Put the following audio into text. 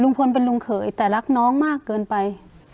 เป็นลุงเขยแต่รักน้องมากเกินไป